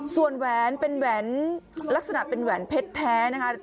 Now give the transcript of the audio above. ส่วนแหวนเป็นแหวนลักษณะเป็นแหวนเพชรแท้นะคะ